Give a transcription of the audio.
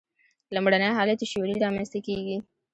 لومړنی حالت یې شعوري رامنځته کېږي.